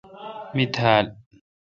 می تھال